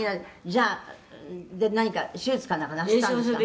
「じゃあ何か手術かなんかなすったんですか？」